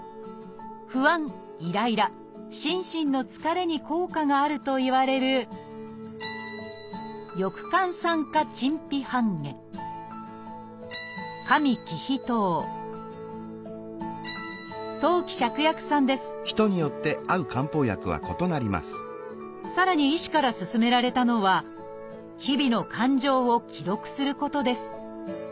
不安イライラ心身の疲れに効果があるといわれるさらに医師から勧められたのは日々の感情を記録することです。